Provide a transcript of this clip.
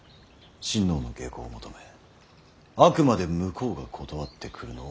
親王の下向を求めあくまで向こうが断ってくるのを待つ。